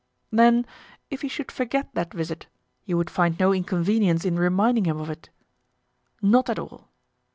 "Then, if he should forget that visit, you would find no inconvenience in reminding him of it?" "Not at all."